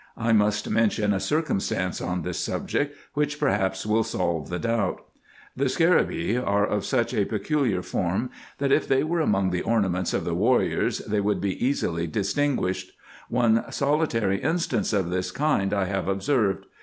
I must mention a circumstance on this subject, which perhaps will solve the doubt. The scarabeei are IN EGYPT, NUBIA, &c. 173 of such a peculiar form, that, if they were among the ornaments of the warriors, they would be easily distinguished. One solitary instance of this kind I have observed.